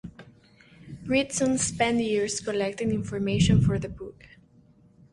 Ritson spent years collecting information for the book.